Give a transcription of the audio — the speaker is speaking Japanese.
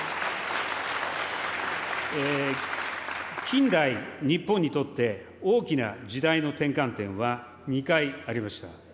近代日本にとって、大きな時代の転換点は２回ありました。